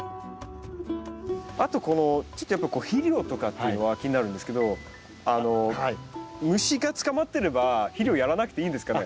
あとこの肥料とかっていうのは気になるんですけどあの虫が捕まってれば肥料やらなくていいんですかね？